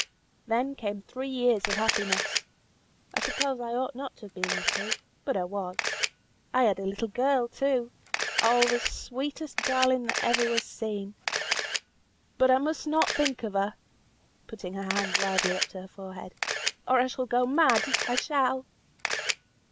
Then came three years of happiness. I suppose I ought not to have been happy, but I was. I had a little girl, too. Oh! the sweetest darling that ever was seen! But I must not think of her," putting her hand wildly up to her forehead, "or I shall go mad; I shall."